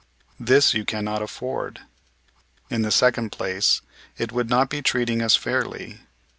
This you cannot afford. In the second place, it would not be treating us fairly.